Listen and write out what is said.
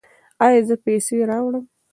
ایا زه پیسې راوړم؟